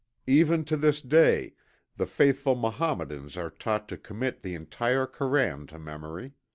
Even to this day the faithful Mohammedans are taught to commit the entire Koran to memory.